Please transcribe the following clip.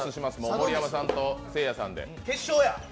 盛山さんと、せいやさんで。